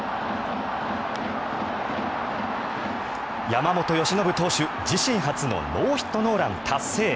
山本由伸投手、自身初のノーヒット・ノーラン達成。